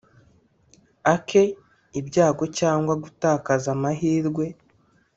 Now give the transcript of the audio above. ake ibyago cyangwa gutakaza amahirwe.